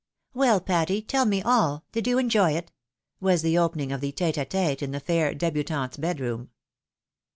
"Well, Patty! tell me all. Did you enjoy it?" was the opening of the tete a tete in the fair debutante's bed room.